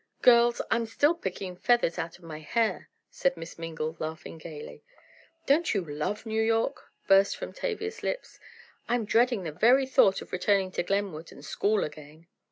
"Girls, I'm still picking feathers out of my hair!" said Miss Mingle, laughing gaily. "Don't you love New York?" burst from Tavia's lips. "I'm dreading the very thought of returning to Glenwood and school again!"